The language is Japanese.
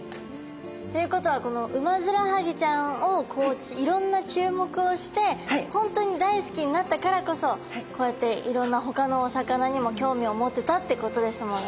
ていうことはこのウマヅラハギちゃんをいろんなちゅうもくをして本当に大好きになったからこそこうやっていろんな他のお魚にもきょうみをもてたってことですもんね。